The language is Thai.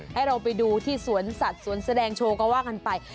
ให้เราไปดูที่สวนสัตว์สวนแสดงโชว์ก็ว่ากันไป